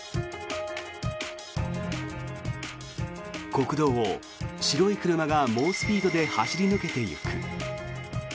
国道を白い車が猛スピードで走り抜けていく。